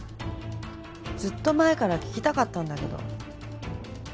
ずっと前から聞きたかったんだけど。